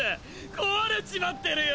壊れちまってるよ！！